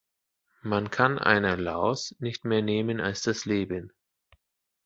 Man kann einer Laus nicht mehr nehmen als das Leben.